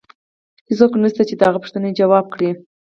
هیڅوک نشته چې د هغه پوښتنه ځواب کړي